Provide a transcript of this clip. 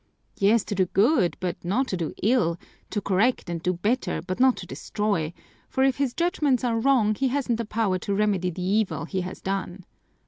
"Yes, to do good, but not to do ill, to correct and to better, but not to destroy, for if his judgments are wrong he hasn't the power to remedy the evil he has done.